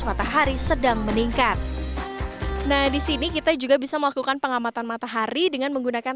matahari sedang meningkat nah disini kita juga bisa melakukan pengamatan matahari dengan menggunakan